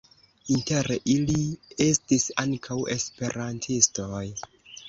Inter ili estis ankaŭ esperantistoj.